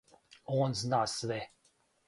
Он зна све.